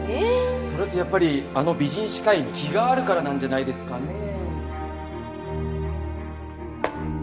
それってやっぱりあの美人歯科医に気があるからなんじゃないですかねえ。